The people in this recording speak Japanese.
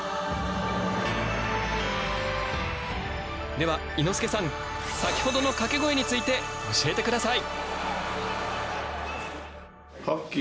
では伊之助さん先ほどのかけ声について教えてください！